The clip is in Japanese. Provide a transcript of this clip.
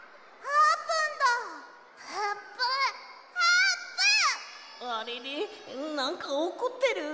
あれれなんかおこってる？